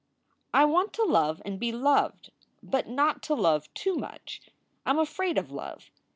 "I want to love and be loved, but not to love too much. I m afraid of love.